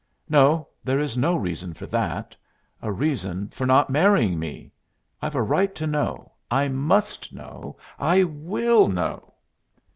"No; there is no reason for that. A reason for not marrying me. I've a right to know. I must know. I will know!"